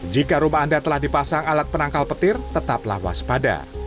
jika rumah anda telah dipasang alat penangkal petir tetaplah waspada